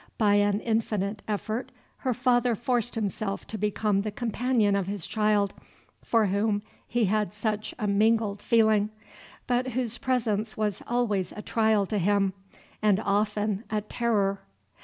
By an infinite effort, her father forced himself to become the companion of this child, for whom he had such a mingled feeling, but whose presence was always a trial to him, and often a terror.